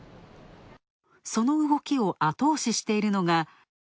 その動きを後押ししているのが。